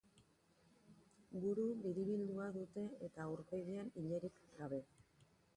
Buru biribildua dute eta aurpegian ilerik gabe.